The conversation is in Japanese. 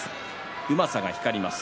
うまさが光ります。